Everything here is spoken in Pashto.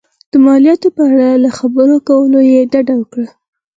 د مالیاتو په اړه له خبرو کولو یې ډډه وکړه.